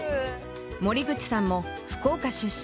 森口さんも福岡出身。